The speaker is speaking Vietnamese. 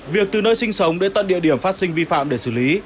việc từ nơi sinh sống đến tận địa điểm phát sinh vi phạm để xử lý